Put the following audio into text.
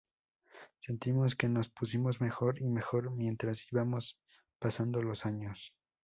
Sentimos que nos pusimos mejor y mejor mientras íbamos pasando los años.